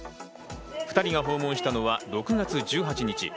２人が訪問したのは６月１８日。